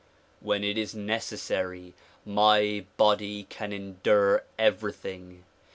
When it is necessary, my body can endure everything.